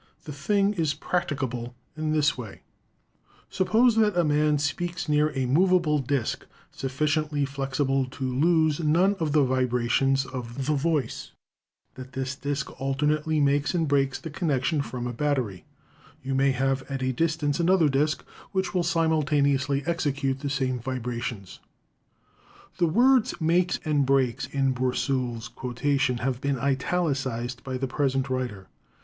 The thing is practicable in this way : "Suppose that a man speaks near a movable disk, suf ficiently flexible to lose none of the vibrations of the voice ; that this disk alternately makes and breaks the connection from a battery: you may have at a distance another disk which will simultaneously execute the same vibrations." The words "makes and breaks" in Bourseul's quotation have been italicized by the present writer.